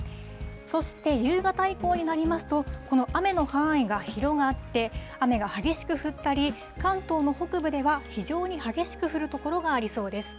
そして夕方以降になりますと、この雨の範囲が広がって、雨が激しく降ったり、関東の北部では非常に激しく降る所がありそうです。